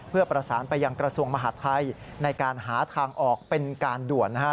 เพื่อประสานไปยังกระทรวงมหาดไทยในการหาทางออกเป็นการด่วนนะฮะ